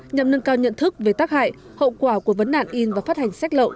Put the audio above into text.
nhằm nâng cao nhận thức về tác hại hậu quả của vấn đạn in và phát hành sách lậu